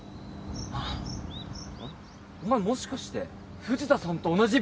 あっお前もしかして藤田さんと同じ美術部か！？